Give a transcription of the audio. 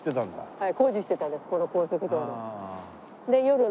はい。